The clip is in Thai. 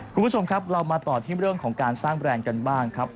คุณผู้ชมครับเรามาต่อที่เรื่องของการสร้างแบรนด์กันบ้างครับ